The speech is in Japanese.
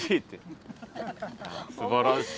すばらしい。